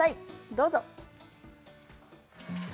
どうぞ。